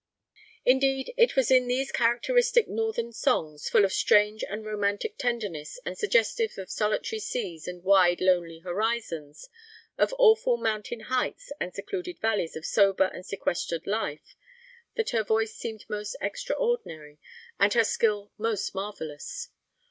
Indeed, it was in these characteristic Northern songs, full of strange and romantic tenderness, and suggestive of solitary seas and wide, lonely horizons, of awful mountain heights and secluded valleys of sober and sequestered life, that her voice seemed most extraordinary and her skill most marvellous.